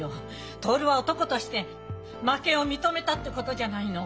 徹は男として負けを認めたってことじゃないの。